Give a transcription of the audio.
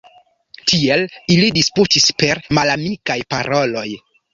Tiel ili disputis per malamikaj paroloj.